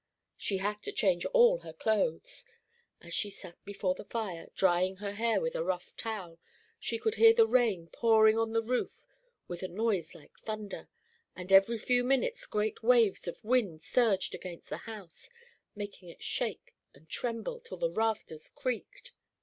She had to change all her clothes. As she sat before the fire, drying her hair with a rough towel, she could hear the rain pouring on the roof with a noise like thunder, and every few minutes great waves of wind surged against the house, making it shake and tremble till the rafters creaked.